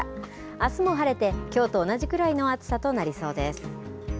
あすも晴れて、きょうと同じくらいの暑さとなりそうです。